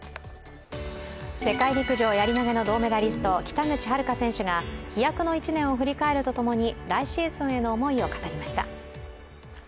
世界陸上やり投の銅メダリスト、北口榛花選手が飛躍の一年を振り返るとともに来シーズンへの思いを語りました。